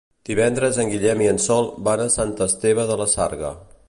Divendres en Guillem i en Sol van a Sant Esteve de la Sarga.